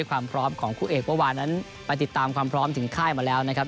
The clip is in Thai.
ความพร้อมของคู่เอกเมื่อวานนั้นไปติดตามความพร้อมถึงค่ายมาแล้วนะครับ